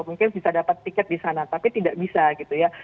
mungkin bisa dapat tiket di sana tapi tidak bisa gitu ya